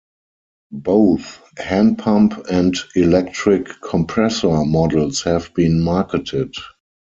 Both hand pump and electric compressor models have been marketed.